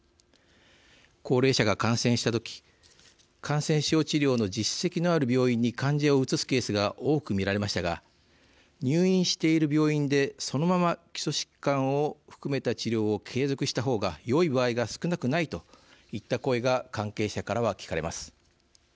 高齢者が感染した時感染症治療の実績のある病院に患者を移すケースが多く見られましたが入院している病院でそのまま基礎疾患を含めた治療を継続した方がよい場合が少なくないといった声が関係者からは聞かれます。